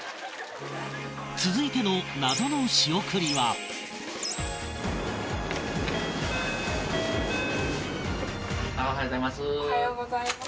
続いての謎の仕送りはおはようございます。